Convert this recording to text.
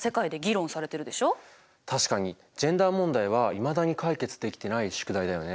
確かにジェンダー問題はいまだに解決できてない宿題だよね。